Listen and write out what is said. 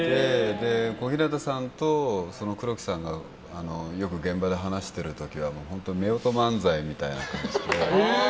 小日向さんと黒木さんがよく現場で話している時は本当、夫婦漫才みたいな感じで。